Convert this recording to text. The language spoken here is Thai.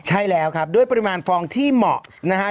ใช่แล้วครับด้วยปริมาณฟองที่เหมาะนะฮะ